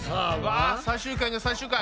わ最終回の最終回！